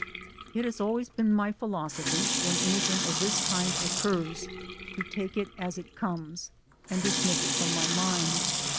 It has always been my philosophy, when anything of this kind occurs, to take it as it comes, and dis miss it from my mind.